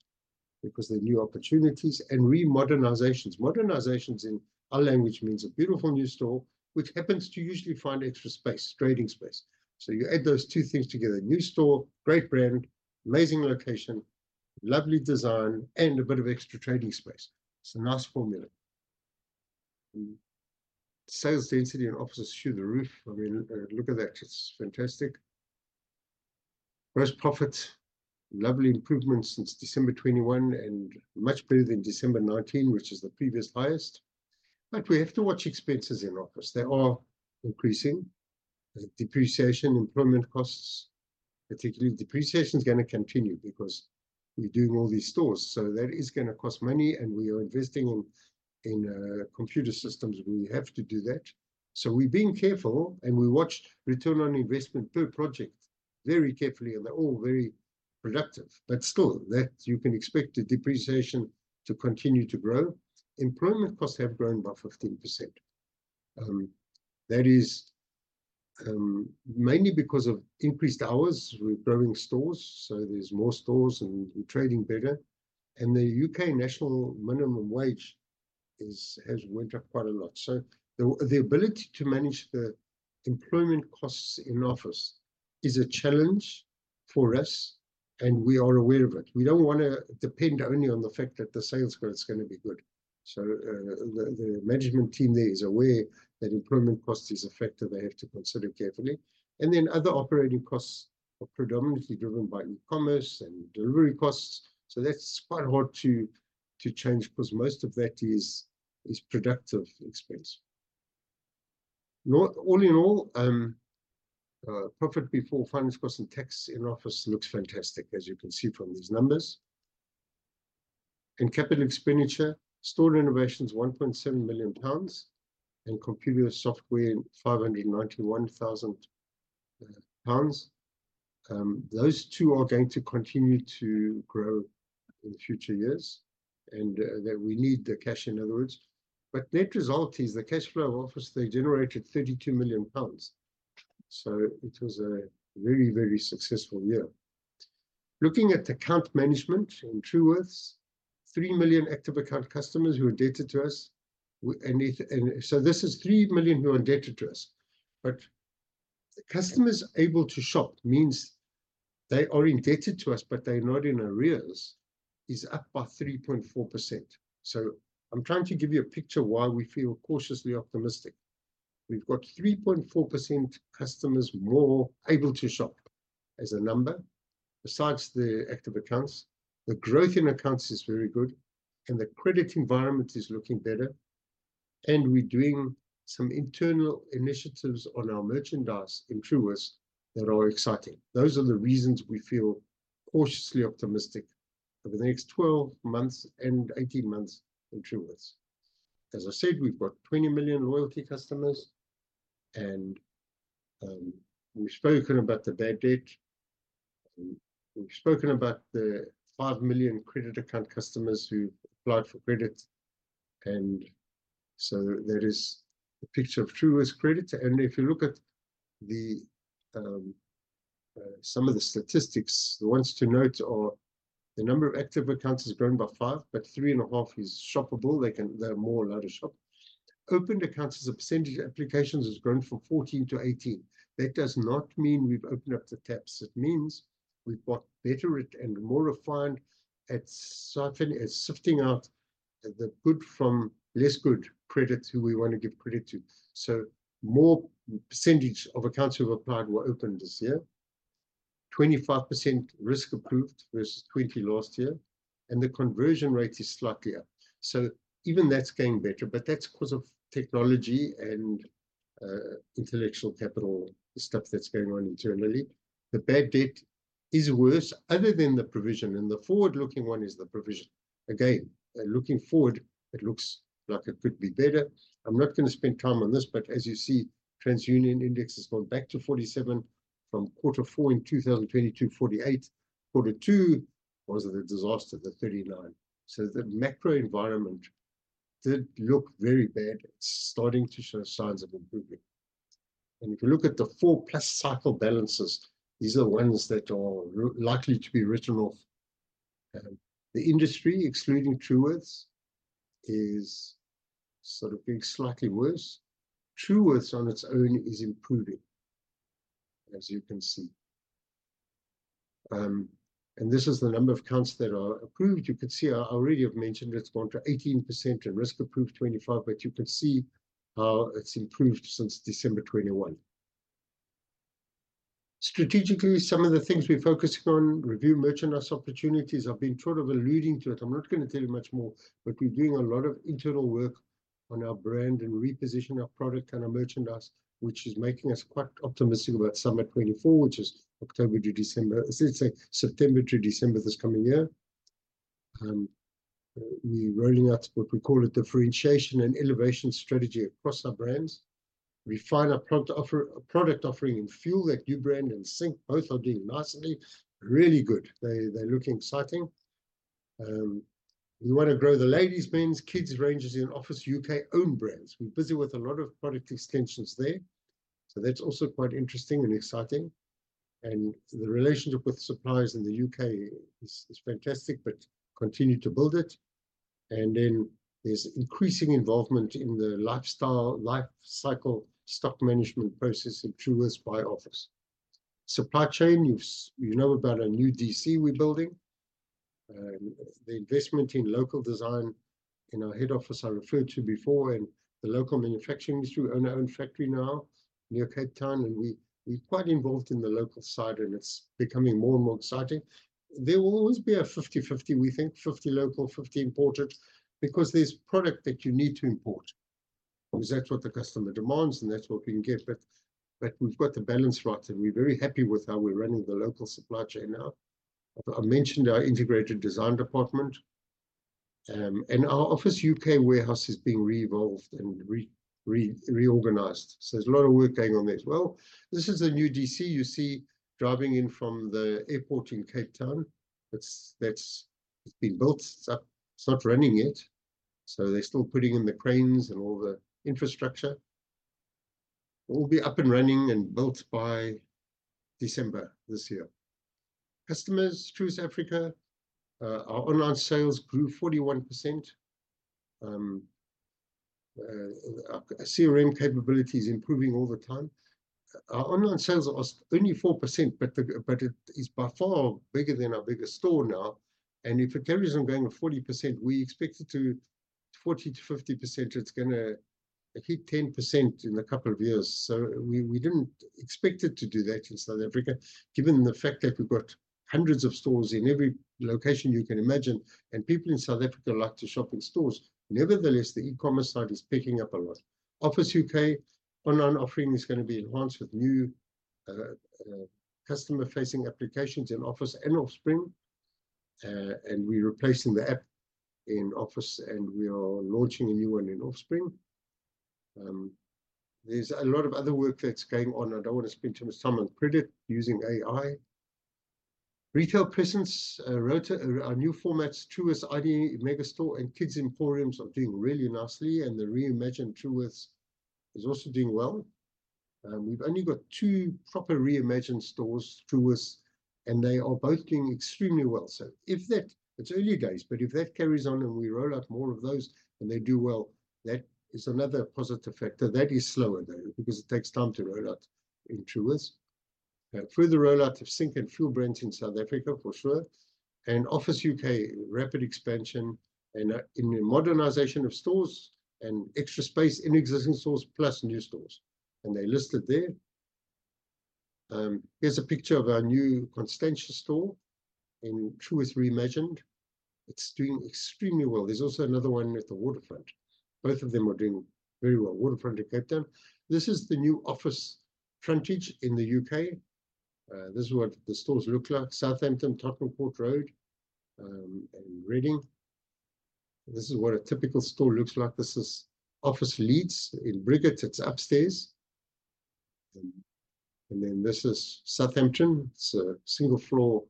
Because they're new opportunities and remodernizations. Modernizations in our language means a beautiful new store, which happens to usually find extra space, trading space. So you add those 2 things together. New store, great brand. Amazing location. Lovely design, and a bit of extra trading space. It's a nice formula. Sales density in Office is through the roof. I mean, look at that. It's fantastic. Gross profit. Lovely improvements since December 21, and much better than December 19, which is the previous highest. But we have to watch expenses in Office. They are increasing. Depreciation, employment costs. Particularly depreciation is going to continue because we're doing all these stores, so that is going to cost money, and we are investing in computer systems. We have to do that. So we're being careful, and we watch return on investment per project very carefully, and they're all very productive, but still that you can expect the depreciation to continue to grow. Employment costs have grown by 15%. That is mainly because of increased hours. We're growing stores, so there's more stores, and we're trading better. And the U.K. national minimum wage has went up quite a lot. So the ability to manage the employment costs in Office is a challenge for us. And we are aware of it. We don't want to depend only on the fact that the sales growth is going to be good. So the management team there is aware that employment cost is a factor they have to consider carefully, and then other operating costs are predominantly driven by e-commerce and delivery costs. So that's quite hard to change, because most of that is productive expense. All in all, profit before finance costs and tax in Office looks fantastic, as you can see from these numbers. And capital expenditure: store renovations, 1.7 million pounds; and computer software, 591,000 pounds. Those two are going to continue to grow in the future years. And that we need the cash, in other words. But the net result is the cash flow Office generated 32 million pounds. So it was a very, very successful year. Looking at account management in Truworths. 3 million active account customers who are indebted to us. So this is 3 million who are indebted to us. Customers able to shop means they are indebted to us, but they're not in arrears is up by 3.4%. So I'm trying to give you a picture why we feel cautiously optimistic. We've got 3.4% customers more able to shop as a number. Besides the active accounts, the growth in accounts is very good. The credit environment is looking better. We're doing some internal initiatives on our merchandise in Truworths that are exciting. Those are the reasons we feel cautiously optimistic over the next 12 months and 18 months in Truworths. As I said, we've got 20 million loyalty customers. We've spoken about the bad debt. We've spoken about the 5 million credit account customers who applied for credit. So that is the picture of Truworths credit, and if you look at some of the statistics. The ones to note are the number of active accounts has grown by 5%, but 3.5% is shoppable. They can. They're more loaded shop. Opened accounts as a percentage applications has grown from 14%-18%. That does not mean we've opened up the taps. It means we've got better at and more refined. It's sifting out the good from less good credits who we want to give credit to. So more percentage of accounts who have applied were opened this year. 25% risk approved versus 20% last year. And the conversion rate is slightly up. So even that's getting better, but that's because of technology and intellectual capital stuff that's going on internally. The bad debt. is worse other than the provision, and the forward-looking one is the provision. Again, looking forward. It looks like it could be better. I'm not going to spend time on this, but as you see, TransUnion index has gone back to 47 from quarter 4 in 2022, 48. Quarter 2 was the disaster, the 39. So the macro environment did look very bad. It's starting to show signs of improvement. And if you look at the 4+ cycle balances, these are the ones that are likely to be written off. The industry, excluding Truworths, is sort of being slightly worse. Truworths on its own is improving, as you can see. And this is the number of accounts that are approved. You could see I already have mentioned it's gone to 18% and risk approved 25%, but you can see how it's improved since December 2021. Strategically, some of the things we're focusing on, review merchandise opportunities have been sort of alluding to it. I'm not going to tell you much more, but we're doing a lot of internal work. On our brand and reposition our product and our merchandise, which is making us quite optimistic about summer 2024, which is October to December. It's September to December this coming year. We're rolling out what we call a differentiation and elevation strategy across our brands. Refine our product offering and Fuel that new brand and Sync. Both are doing nicely. Really good. They look exciting. We want to grow the ladies, men's, kids ranges in Office U.K. own brands. We're busy with a lot of product extensions there. So that's also quite interesting and exciting. And the relationship with suppliers in the U.K. is fantastic, but continue to build it. Then there's increasing involvement in the lifestyle life cycle stock management process in Truworths by Office. Supply chain. You know about a new DC we're building. The investment in local design in our head office, I referred to before, and the local manufacturing industry own our own factory now near Cape Town, and we're quite involved in the local side, and it's becoming more and more exciting. There will always be a 50/50. We think 50 local, 50 imported, because there's product that you need to import because that's what the customer demands, and that's what we can get. But we've got the balance right, and we're very happy with how we're running the local supply chain now. I mentioned our integrated design department. Our Office UK warehouse is being re-evolved and reorganized. So there's a lot of work going on there as well. This is a new DC, you see. Driving in from the airport in Cape Town. It's that. It's been built. It's up. It's not running yet. So they're still putting in the cranes and all the infrastructure. It will be up and running and built by December this year. Customers, Truworths Africa. Our online sales grew 41%. CRM capabilities improving all the time. Our online sales are only 4%, but it is by far bigger than our biggest store now. And if it carries on going at 40%, we expect it to 40%-50%. It's gonna hit 10% in a couple of years. So we didn't expect it to do that in South Africa, given the fact that we've got hundreds of stores in every location you can imagine, and people in South Africa like to shop in stores. Nevertheless, the e-commerce side is picking up a lot. Office UK. Online offering is going to be enhanced with new customer-facing applications in Office and Offspring. And we're replacing the app in Office, and we are launching a new one in Offspring. There's a lot of other work that's going on. I don't want to spend too much time on credit using AI. Retail presence. Our new formats, Truworths ID Megastore and Kids Emporiums, are doing really nicely, and the re-imagined Truworths is also doing well. We've only got 2 proper re-imagined stores, Truworths. And they are both doing extremely well. So if that. It's early days, but if that carries on, and we roll out more of those, and they do well. That is another positive factor. That is slower, though, because it takes time to roll out in Truworths. Further rollout of Sync and Fuel brands in South Africa, for sure. And Office UK rapid expansion. In modernization of stores. Extra space in existing stores, plus new stores. They listed there. Here's a picture of our new Constantia store. In Truworths re-imagined. It's doing extremely well. There's also another one at the Waterfront. Both of them are doing very well. Waterfront in Cape Town. This is the new Office frontage in the UK. This is what the stores look like. Southampton, Tottenham Court Road. And Reading. This is what a typical store looks like. This is Office Leeds in Briggate. It's upstairs. And then this is Southampton. It's a single floor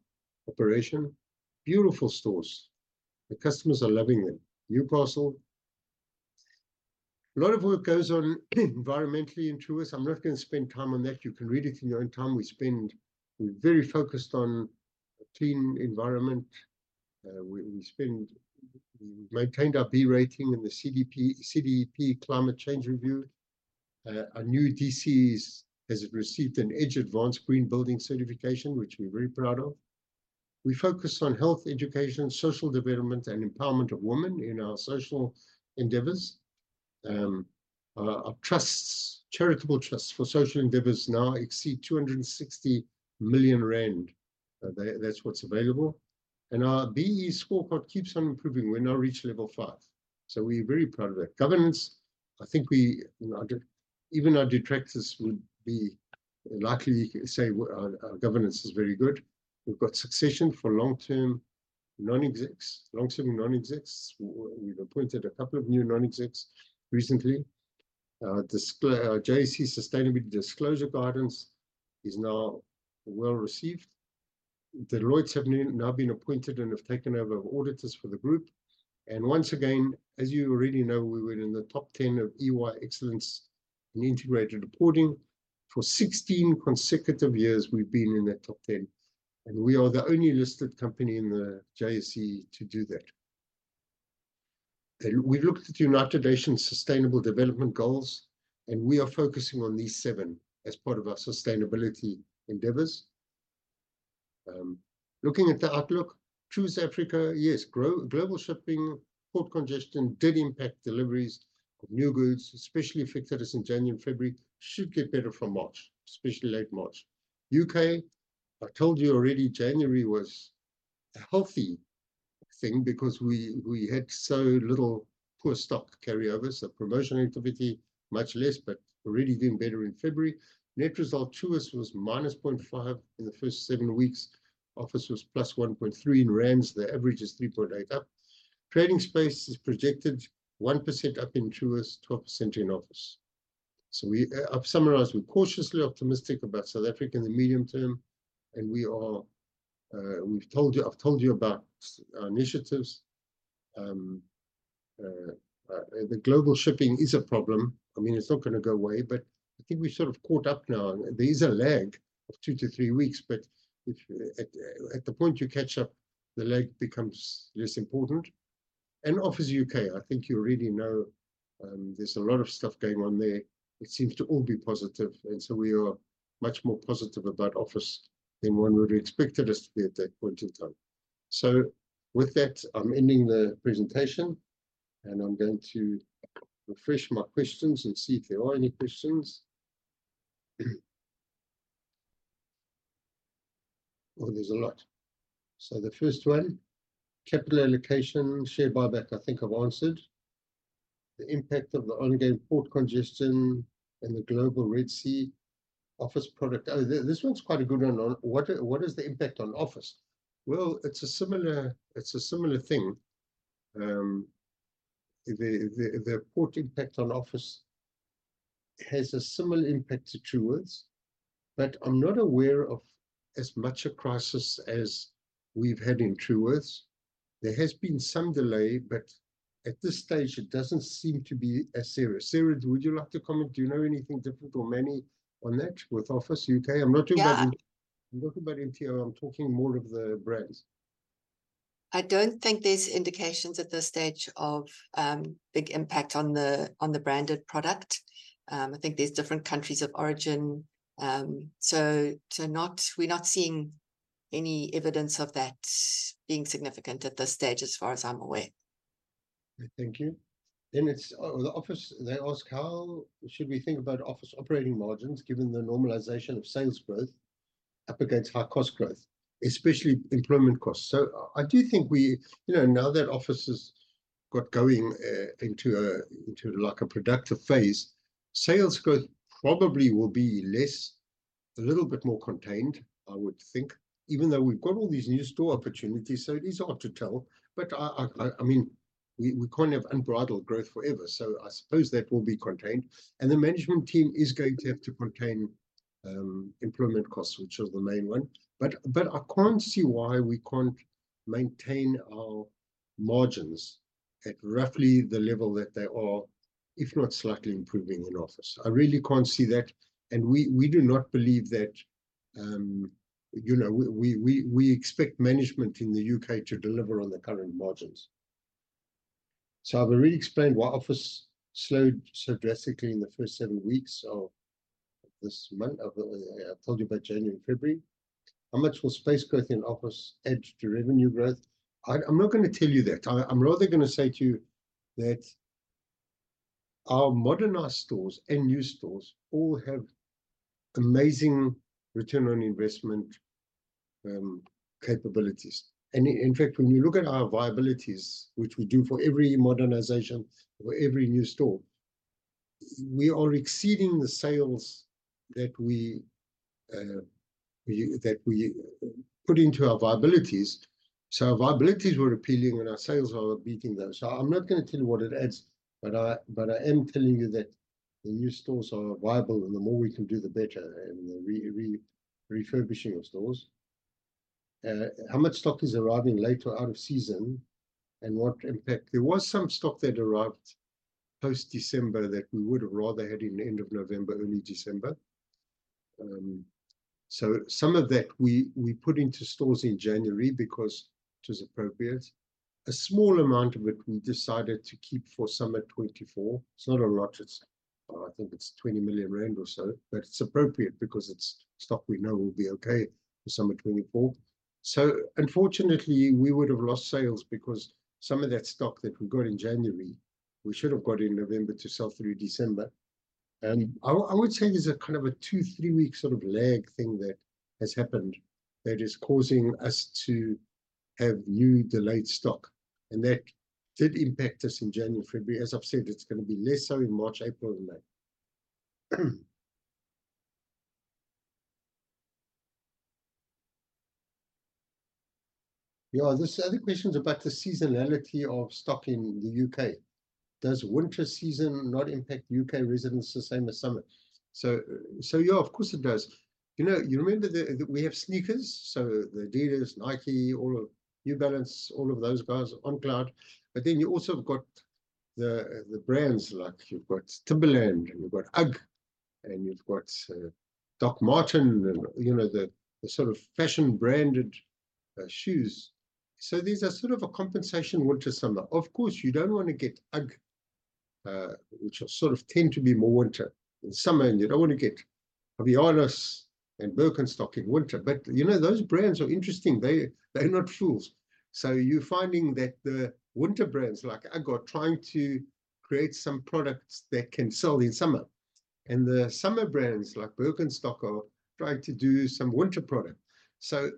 operation. Beautiful stores. The customers are loving them. New apparel. A lot of work goes on environmentally in Truworths. I'm not going to spend time on that. You can read it in your own time. We spend. We're very focused on a clean environment. We spend. We maintained our B rating in the CDP Climate Change Review. Our new DCs has received an EDGE Advanced green building certification, which we're very proud of. We focus on health education, social development, and empowerment of women in our social endeavors. Our charitable trusts for social endeavors now exceed 260 million rand. That's what's available. Our B-BBEE scorecard keeps on improving. We now reach level 5. So we're very proud of that. Governance, I think we even our detractors would be likely say our governance is very good. We've got succession for long-term non-execs, long-serving non-execs. We've appointed a couple of new non-execs recently. JSE sustainability disclosure guidance is now well received. Deloitte have now been appointed and have taken over auditors for the group. And once again, as you already know, we were in the top 10 of EY Excellence in Integrated Reporting. For 16 consecutive years, we've been in that top 10. We are the only listed company in the JSE to do that. We've looked at United Nations Sustainable Development Goals. We are focusing on these 7 as part of our sustainability endeavors. Looking at the outlook. Truworths Africa. Yes, global shipping. Port congestion did impact deliveries of new goods, especially affected us in January and February. Should get better from March, especially late March. UK. I told you already, January was a healthy thing, because we had so little poor stock carryovers, so promotional activity much less, but already doing better in February. Net result. Truworths was -0.5% in the first 7 weeks. Office was +1.3% in rands. The average is +3.8%. Trading space is projected 1% up in Truworths, 12% in Office. So we summarize. We're cautiously optimistic about South Africa in the medium term. We are. We've told you. I've told you about our initiatives. The global shipping is a problem. I mean, it's not going to go away, but. I think we've sort of caught up now. There is a lag of two-three weeks, but. If at the point you catch up. The lag becomes less important. And Office UK. I think you already know. There's a lot of stuff going on there. It seems to all be positive, and so we are. Much more positive about Office. Than one would have expected us to be at that point in time. So. With that, I'm ending the presentation. And I'm going to. Refresh my questions and see if there are any questions. Oh, there's a lot. So the first one. Capital allocation share buyback. I think I've answered. The impact of the ongoing port congestion and the global Red Sea Office product. Oh, this one's quite a good one. What is the impact on Office? Well, it's similar. It's a similar thing. The port impact on Office has a similar impact to Truworths. But I'm not aware of as much a crisis as we've had in Truworths. There has been some delay, but at this stage, it doesn't seem to be as serious. Sarah, would you like to comment? Do you know anything different or Mannie on that with Office UK? I'm not talking about. I'm talking about MTO. I'm talking more of the brands. I don't think there's indications at this stage of big impact on the branded product. I think there's different countries of origin. So, too, not. We're not seeing any evidence of that. Being significant at this stage, as far as I'm aware. Thank you. Then it's the Office. They ask, how should we think about Office operating margins, given the normalization of sales growth implicates high cost growth. Especially employment costs. So I do think we, you know, now that Office is got going into like a productive phase. Sales growth probably will be less. A little bit more contained, I would think, even though we've got all these new store opportunities. So it is hard to tell, but I mean. We can't have unbridled growth forever, so I suppose that will be contained, and the management team is going to have to contain employment costs, which is the main one, but I can't see why we can't maintain our margins at roughly the level that they are. If not slightly improving in Office. I really can't see that, and we do not believe that. You know, we expect management in the UK to deliver on the current margins. So I've already explained why Office slowed so drastically in the first 7 weeks of this month. I told you about January and February. How much will space growth in Office add to revenue growth? I'm not going to tell you that. I'm rather going to say to you that our modernized stores and new stores all have amazing return on investment capabilities. And in fact, when you look at our viabilities, which we do for every modernization for every new store, we are exceeding the sales that we put into our viabilities. So our viabilities were appealing, and our sales are beating those. So I'm not going to tell you what it adds, but I but I am telling you that the new stores are viable, and the more we can do, the better, and the refurbishing of stores. How much stock is arriving later out of season? And what impact there was some stock that arrived post December that we would have rather had in the end of November, early December. So some of that we put into stores in January, because it is appropriate. A small amount of it we decided to keep for summer 2024. It's not a lot. It's I think it's 20 million rand or so, but it's appropriate, because it's stock we know will be okay for summer 2024. So unfortunately, we would have lost sales because some of that stock that we got in January we should have got in November to sell through December. I would say there's a kind of a 2-3 week sort of lag thing that has happened. That is causing us to have new delayed stock, and that did impact us in January, February, as I've said. It's going to be less so in March, April, and May. Yeah, this other question's about the seasonality of stocking the U.K. Does winter season not impact U.K. residents the same as summer? So yeah, of course it does. You know, you remember that we have sneakers. So the Adidas, Nike, all of New Balance, all of those guys On Cloud. But then you also have got the brands like you've got Timberland, and you've got UGG. And you've got Doc Martens, and you know the sort of fashion branded shoes. So these are sort of a compensation winter, summer. Of course, you don't want to get UGG. Which sort of tend to be more winter in summer, and you don't want to get Havaianas and Birkenstock in winter. But you know those brands are interesting. They're not fools. So you're finding that the winter brands like UGG trying to create some products that can sell in summer. And the summer brands like Birkenstock are trying to do some winter product. So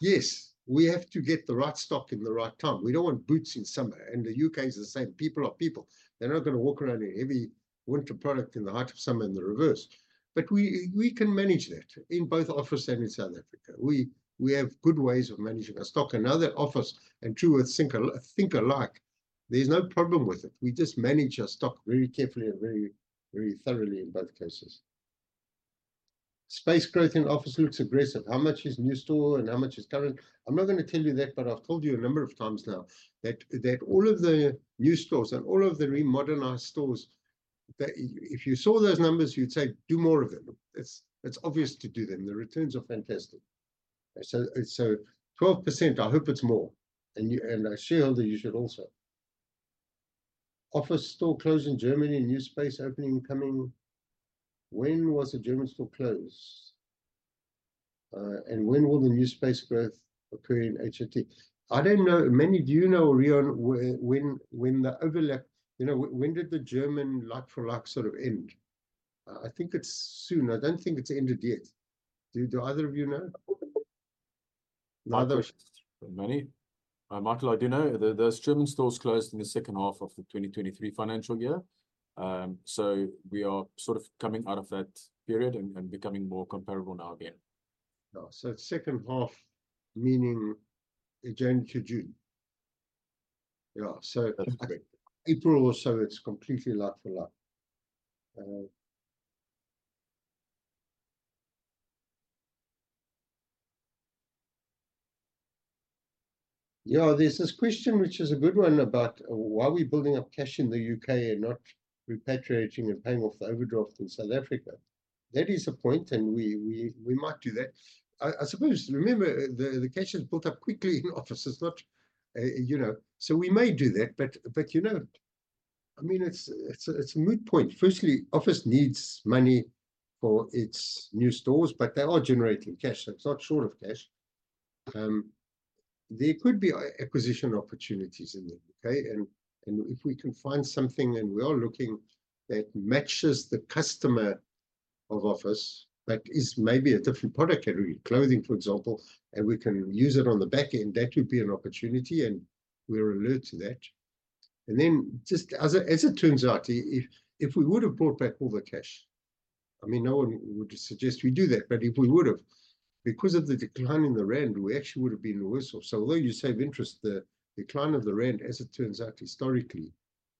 yes, we have to get the right stock in the right time. We don't want boots in summer, and the U.K. is the same. People are people. They're not going to walk around in every winter product in the height of summer in the reverse. But we can manage that in both Office and in South Africa. We have good ways of managing our stock. And Office and Truworths think alike. There's no problem with it. We just manage our stock very carefully and very, very thoroughly in both cases. Space growth in Office looks aggressive. How much is new store, and how much is current? I'm not going to tell you that, but I've told you a number of times now that all of the new stores and all of the remodernized stores, that if you saw those numbers, you'd say, do more of it. It's obvious to do them. The returns are fantastic. So, 12%. I hope it's more. And you, as a shareholder, you should also. Office store closing Germany, new space opening coming. When was the German store closed? And when will the new space growth occur in HAT? I don't know. Mannie. Do you know, Reon, when the overlap? You know, when did the German like-for-like sort of end? I think it's soon. I don't think it's ended yet. Do either of you know? Neither. Mannie? Michael, I do know there's German stores closed in the second half of the 2023 financial year. So we are sort of coming out of that period and becoming more comparable now again. Yeah, so second half. Meaning. Again to June. Yeah, so. April or so. It's completely. [inaudible] Yeah, there's this question, which is a good one about why we're building up cash in the U.K. and not. Repatriating and paying off the overdraft in South Africa. That is a point, and we might do that. I suppose. Remember, the cash is built up quickly in Office's. Not. You know. So we may do that, but you know. I mean, it's a moot point. Firstly, Office needs money. For its new stores, but they are generating cash. So it's not short of cash. There could be acquisition opportunities in the U.K., and if we can find something, and we are looking. That matches the customer of Office, but is maybe a different product category, clothing, for example, and we can use it on the back end. That would be an opportunity, and we're alert to that. And then just as it turns out, if we would have brought back all the cash. I mean, no one would suggest we do that, but if we would have. Because of the decline in the rand, we actually would have been worse off. So although you save interest, the decline of the rand, as it turns out historically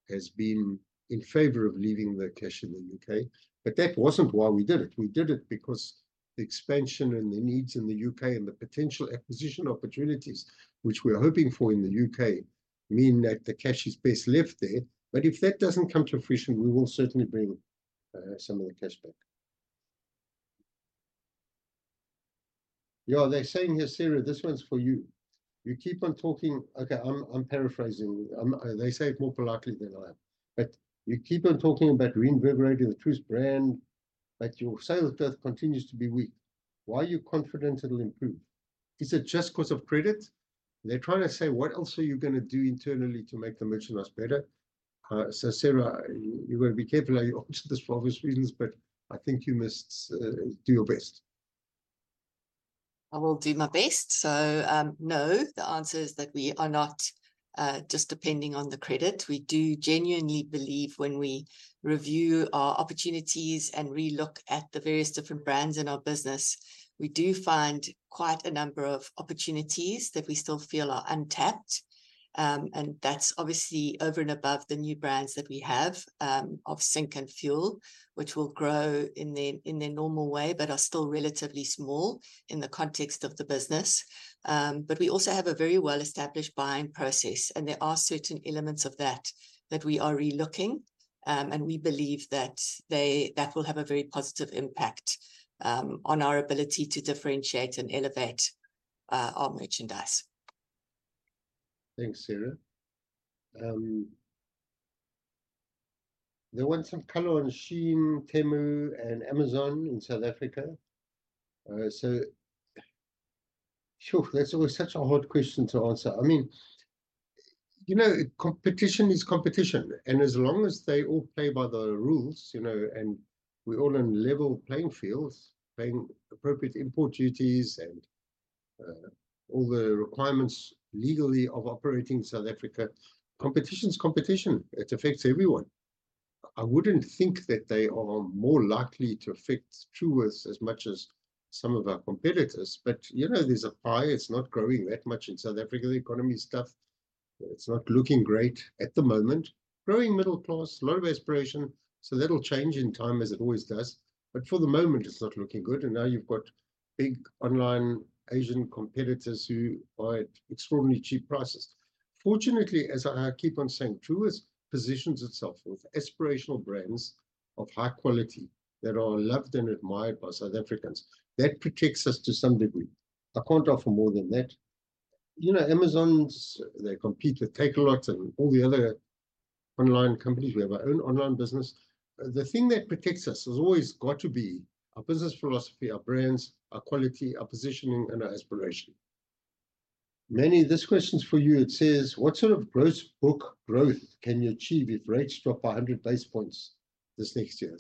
has been in favor of leaving the cash in the U.K., but that wasn't why we did it. We did it because. The expansion and the needs in the UK, and the potential acquisition opportunities, which we're hoping for in the UK, mean that the cash is best left there. But if that doesn't come to fruition, we will certainly bring some of the cash back. Yeah, they're saying here, Sarah, this one's for you. You keep on talking. Okay, I'm paraphrasing. They say it more politely than I am. But you keep on talking about reinvigorating the Truworths brand. But your sales growth continues to be weak. Why are you confident it'll improve? Is it just cause of credit? They're trying to say, what else are you going to do internally to make the merchandise better? So, Sarah, you're going to be careful how you answer this for obvious reasons, but I think you must do your best. I will do my best. So no, the answer is that we are not. Just depending on the credit. We do genuinely believe when we review our opportunities and relook at the various different brands in our business. We do find quite a number of opportunities that we still feel are untapped. And that's obviously over and above the new brands that we have of Sync and Fuel, which will grow in their normal way, but are still relatively small in the context of the business. But we also have a very well-established buying process, and there are certain elements of that that we are relooking. And we believe that they will have a very positive impact on our ability to differentiate and elevate our merchandise. Thanks, Sarah. There went some color on Shein, Temu, and Amazon in South Africa. So. Sure. That's always such a hard question to answer. I mean. You know, competition is competition, and as long as they all play by the rules, you know, and we all on level playing fields, paying appropriate import duties, and all the requirements legally of operating South Africa. Competition's competition. It affects everyone. I wouldn't think that they are more likely to affect Truworths as much as some of our competitors. But you know, there's a pie. It's not growing that much in South Africa. The economy stuff. It's not looking great at the moment. Growing middle class, a lot of aspiration. So that'll change in time as it always does. But for the moment, it's not looking good. And now you've got big online Asian competitors who buy at extraordinarily cheap prices. Fortunately, as I keep on saying, Truworths positions itself with aspirational brands of high quality that are loved and admired by South Africans. That protects us to some degree. I can't offer more than that. You know, Amazon's. They compete, they take a lot, and all the other online companies. We have our own online business. The thing that protects us has always got to be our business philosophy, our brands, our quality, our positioning, and our aspiration. Many of this question's for you. It says, what sort of gross book growth can you achieve if rates drop by 100 basis points this next year?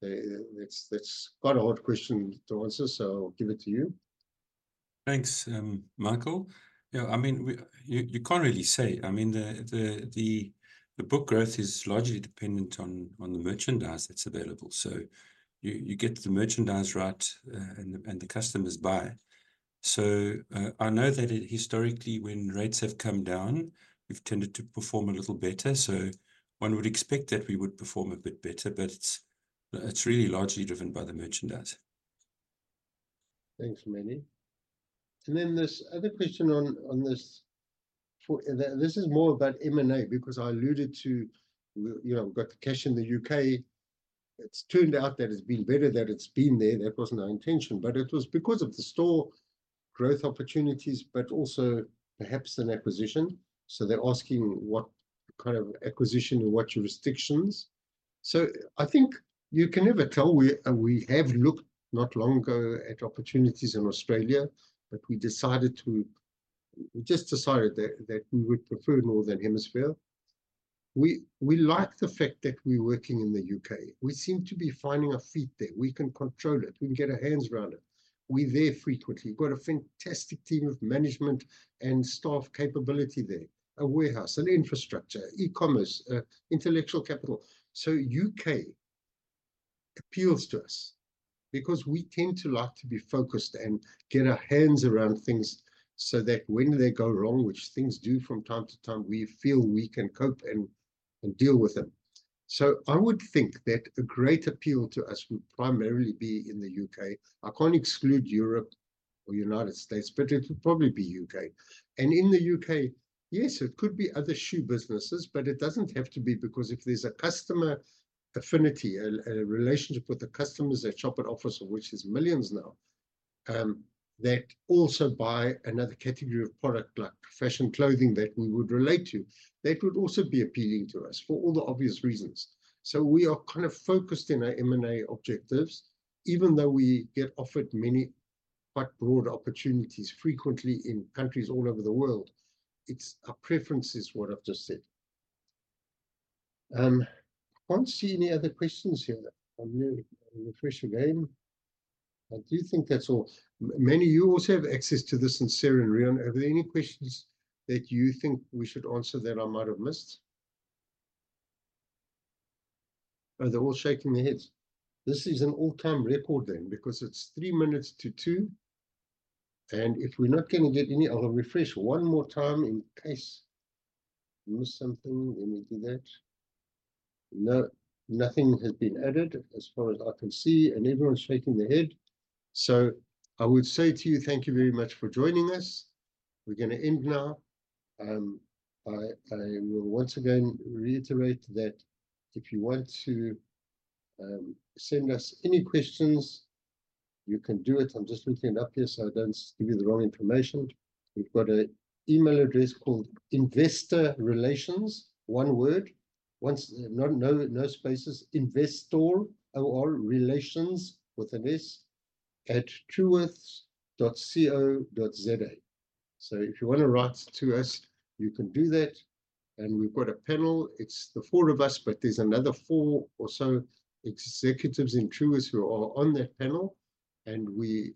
So that's quite a hard question to answer. So I'll give it to you. Thanks, Michael. Yeah, I mean, we can't really say. I mean, the book growth is largely dependent on the merchandise that's available. So you get the merchandise right, and the customers buy. So I know that historically, when rates have come down. We've tended to perform a little better. One would expect that we would perform a bit better, but it's really largely driven by the merchandise. Thanks, Mannie. Then this other question on this. This is more about M&A, because I alluded to. You know, we've got the cash in the U.K. It's turned out that it's been better that it's been there. That wasn't our intention, but it was because of the store growth opportunities, but also perhaps an acquisition. So they're asking what kind of acquisition and what jurisdictions. So I think you can never tell. We have looked not long ago at opportunities in Australia, but we decided to. We just decided that we would prefer Northern Hemisphere. We like the fact that we're working in the U.K. We seem to be finding our feet there. We can control it. We can get our hands around it. We're there frequently. We've got a fantastic team of management and staff capability there. A warehouse, an infrastructure, e-commerce, intellectual capital. So, U.K. appeals to us because we tend to like to be focused and get our hands around things. So that when they go wrong, which things do from time to time, we feel we can cope and deal with them. So, I would think that a great appeal to us would primarily be in the U.K. I can't exclude Europe or United States, but it would probably be U.K. And in the U.K., yes, it could be other shoe businesses, but it doesn't have to be, because if there's a customer affinity, a relationship with the customers that shop at Office, of which is millions now. That also buy another category of product like fashion clothing that we would relate to. That would also be appealing to us for all the obvious reasons. So we are kind of focused in our M&A objectives. Even though we get offered many. Quite broad opportunities frequently in countries all over the world. It's our preferences, what I've just said. Can't see any other questions here. I'm new. Refresh again. I do think that's all. Many. You also have access to this, and Sarah and Reon. Are there any questions. That you think we should answer that I might have missed? Oh, they're all shaking their heads. This is an all-time record, then, because it's 3 min to 2. And if we're not going to get any other refresh one more time in case. Miss something. Let me do that. No, nothing has been added as far as I can see, and everyone's shaking their head. So, I would say to you, thank you very much for joining us. We're going to end now. I will once again reiterate that. If you want to send us any questions, you can do it. I'm just looking it up here so I don't give you the wrong information. We've got an email address called investorrelations. One word. No spaces. Investorrelations with an S. At truworths.co.za. So if you want to write to us, you can do that. And we've got a panel. It's the four of us, but there's another four or so executives in Truworths who are on that panel. And we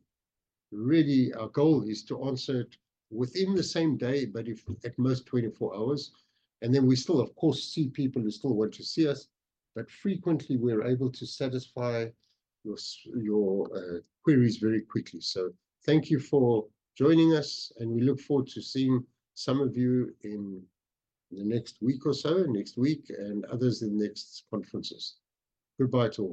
really, our goal is to answer it within the same day, but at most 24 hours. And then we still, of course, see people who still want to see us. But frequently we're able to satisfy your queries very quickly. So thank you for joining us, and we look forward to seeing some of you in the next week or so, next week, and others in the next conferences. Goodbye to all.